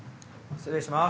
失礼します。